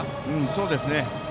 そうですね。